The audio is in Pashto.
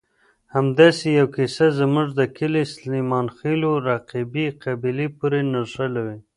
همداسې یوه کیسه زموږ د کلي سلیمانخېلو رقیبې قبیلې پورې نښلولې.